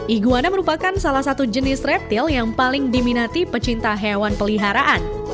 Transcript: iguana merupakan salah satu jenis reptil yang paling diminati pecinta hewan peliharaan